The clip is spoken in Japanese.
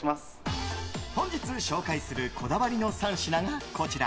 本日紹介するこだわりの３品がこちら。